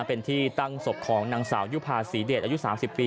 เป็นที่ตั้งศพของนางสาวยุภาษีเดชอายุ๓๐ปี